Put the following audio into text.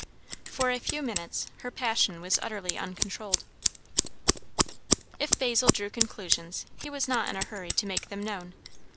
For a few minutes her passion was utterly uncontrolled. If Basil drew conclusions, he was not in a hurry to make them known.